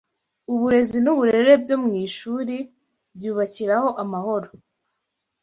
uburezi n’uburere byo mu ishuri byubakiraho amahoro